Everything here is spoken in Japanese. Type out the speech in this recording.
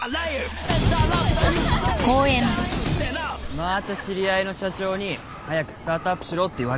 まーた知り合いの社長に早くスタートアップしろって言われちゃったよ。